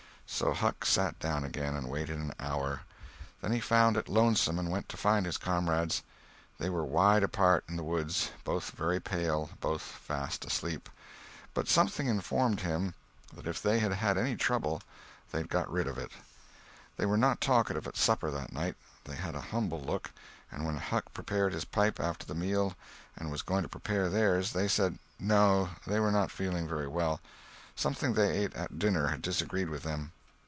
So Huck sat down again, and waited an hour. Then he found it lonesome, and went to find his comrades. They were wide apart in the woods, both very pale, both fast asleep. But something informed him that if they had had any trouble they had got rid of it. They were not talkative at supper that night. They had a humble look, and when Huck prepared his pipe after the meal and was going to prepare theirs, they said no, they were not feeling very well—something they ate at dinner had disagreed with them.